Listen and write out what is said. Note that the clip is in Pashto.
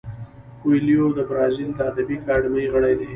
کویلیو د برازیل د ادبي اکاډمۍ غړی دی.